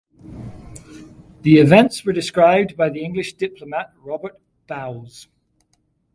The events were described by the English diplomat Robert Bowes.